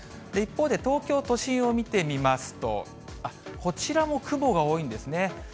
一方で東京都心を見てみますと、こちらも雲が多いんですね。